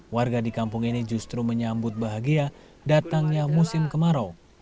warga di kampung ini justru menyambut bahagia datangnya musim kemarau